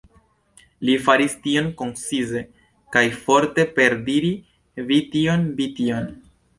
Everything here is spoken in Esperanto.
Li faris tion koncize kaj forte per diri "Vi tion, vi tion".